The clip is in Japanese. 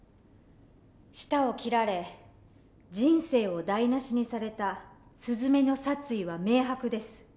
舌を切られ人生を台なしにされたすずめの殺意は明白です。